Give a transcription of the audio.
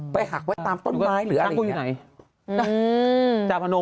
หักไว้ตามต้นไม้หรืออะไรอย่างนี้